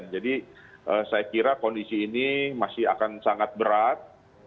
jadi saya kira kondisi ini masih akan sangat berat